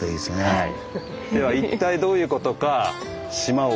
はい。